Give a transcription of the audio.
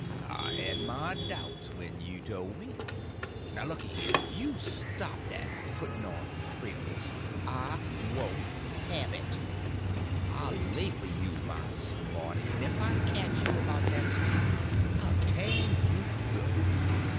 I had my doubts when you told me. Now looky here; you stop that putting on frills. I won't have it. I'll lay for you, my smarty; and if I catch you about that school I'll tan you good.